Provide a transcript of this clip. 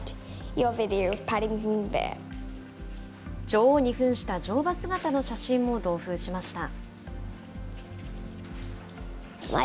女王にふんした乗馬姿の写真も同封しました。